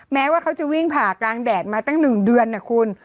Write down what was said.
แม้ว่าเขาจะวิ่งผ่ากลางแดดมาตั้ง๑เดือนนะคุณ